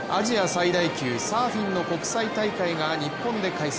最大級サーフィンの国際大会が日本で開催。